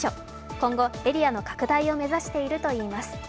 今後エリアの拡大を目指しているといいます。